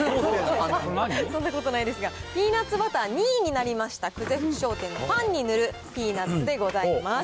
そんなことないですか、ピーナッツバター２位になりました、久世福商店のパンに塗るピーナッツでございます。